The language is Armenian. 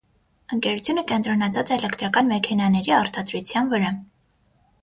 Ընկերությունը կենտրոնացած է էլեկտրական մեքենաների արտադրության վրա։